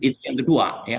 itu yang kedua ya